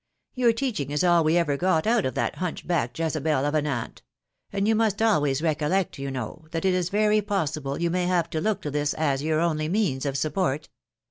YiOur teaching is aU we ever got out of that hunch backed <Fosahel /of an aunt ; and yo* must always recollect,, you know, ahatit ie very possible you .may have to look to this as your only means of support.